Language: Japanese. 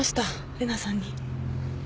玲奈さんに。